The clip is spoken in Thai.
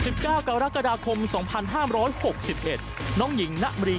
โปรดติดตามตอนต่อไป